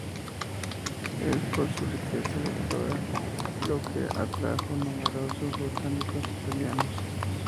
Es por su riqueza de flora lo que atrajo a numerosos botánicos italianos.